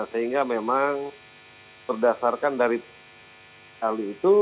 sehingga memang berdasarkan dari ahli itu